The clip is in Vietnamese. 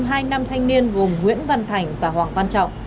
hai nam thanh niên gồm nguyễn văn thành và hoàng văn trọng